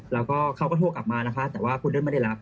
แล้วก็เขาก็โทรกลับมานะคะแต่ว่าคุณเดิ้ไม่ได้รับ